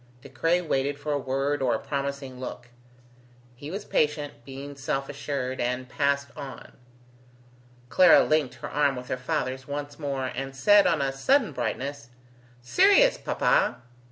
De Craye waited for a word or a promising look. He was patient, being self assured, and passed on. Clara linked her arm with her father's once more, and said, on a sudden brightness: "Sirius, papa!"